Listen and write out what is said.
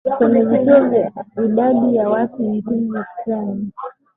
kwenye vituo vya idadi ya watu nchini Ukraine